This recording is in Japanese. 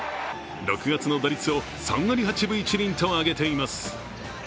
６月の打率を３割８分１厘と上げています。